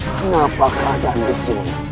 kenapa keadaan di sini